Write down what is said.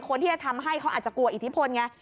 คนที่จะทำให้เขาอาจจะกลัวอิทธิพลไง